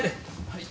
はい。